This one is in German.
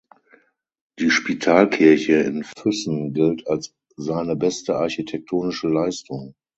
Die Spitalkirche in Füssen gilt als seine beste architektonische Leistung.